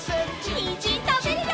にんじんたべるよ！